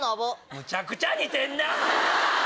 むちゃくちゃ似てんな！